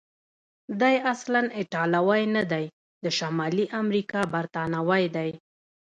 دی اصلا ایټالوی نه دی، د شمالي امریکا برتانوی دی.